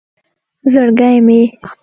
زرگی مې